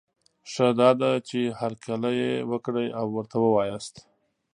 ښه دا ده، چي هرکلی یې وکړی او ورته وواياست